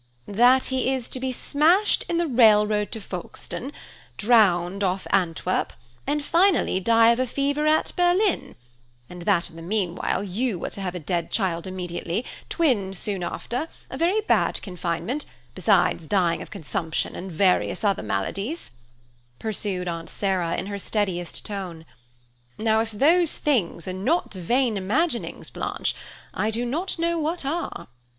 "That he is to be smashed in the railroad to Folkestone, drowned off Antwerp, and finally die of a fever at Berlin; and that in the meanwhile you are to have a dead child immediately, twins soon after, a very bad confinement, besides dying of consumption, and various other maladies," pursued Aunt Sarah in her steadiest tone. "Now, if those things are not vain imaginings, Blanche, I do not know what are."